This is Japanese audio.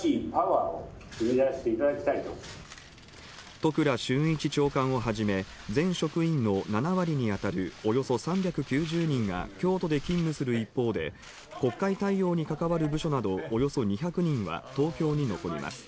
都倉俊一長官をはじめ、全職員の７割にあたるおよそ３９０人が京都で勤務する一方で、国会対応に関わる部署など、およそ２００人は東京に残ります。